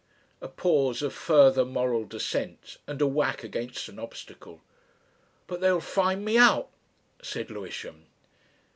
A pause of further moral descent, and a whack against an obstacle. "But they will find me out," said Lewisham.